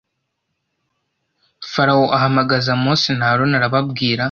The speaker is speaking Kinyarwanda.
Farawo ahamagaza Mose na Aroni arababwira